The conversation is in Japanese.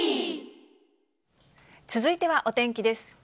続いてはお天気です。